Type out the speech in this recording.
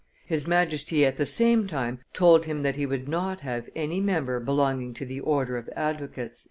His Majesty at the same time told him that he would not have any member belonging to the order of advocates."